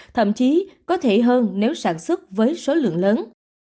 thậm chí có thể hơn nếu sản xuất với số lượng lớn